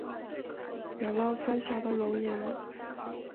远望三峡的容颜